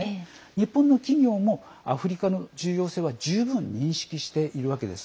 日本の企業もアフリカの重要性は十分認識しているわけです。